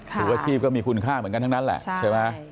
ทุกอาชีพก็มีคุณค่าเหมือนกันทั้งนั้นแหละใช่ไหม